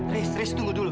riz riz tunggu dulu